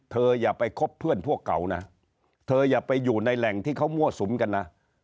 อย่าไปคบเพื่อนพวกเก่านะเธออย่าไปอยู่ในแหล่งที่เขามั่วสุมกันนะ